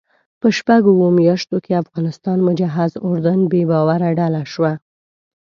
په شپږو اوو میاشتو کې افغانستان مجهز اردو بې باوره ډله شوه.